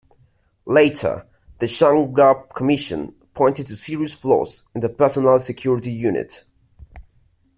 Later, the Shamgar Commission pointed to serious flaws in the personal security unit.